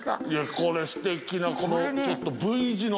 これすてきなこのＶ字の。